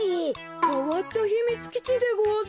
かわったひみつきちでごわす。